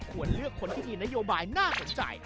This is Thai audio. ควรเลือกคนที่มีนโยบายน่าสนใจ